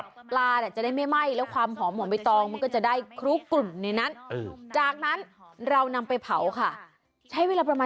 ปลาจะได้ไม่ไหม้แล้วความหอมห่อมใบตองมันก็จะได้คลุกกลุ่มในนั้นจากนั้นเรานำไปเผาค่ะ